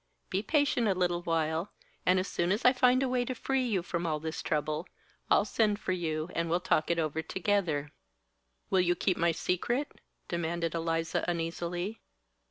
Be patient a little while and as soon as I find a way to free you from all this trouble I'll send for you, and we'll talk it over together." "Will you keep my secret?" demanded Eliza, uneasily.